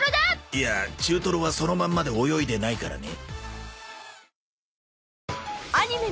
いや中トロはそのままで泳いでないからね